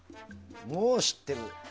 もう知ってる。